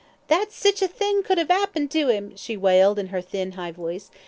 "That sich a thing should 'ave 'appened to 'im," she wailed, in her thin, high voice.